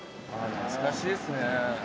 「懐かしいですね」